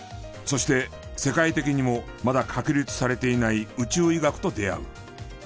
そして世界的にもまだ確立されていない宇宙医学と出会う。